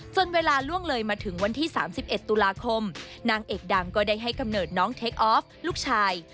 เวลาล่วงเลยมาถึงวันที่๓๑ตุลาคมนางเอกดังก็ได้ให้กำเนิดน้องเทคออฟลูกชาย